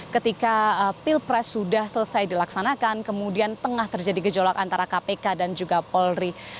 ketika pilpres sudah selesai dilaksanakan kemudian tengah terjadi gejolak antara kpk dan juga polri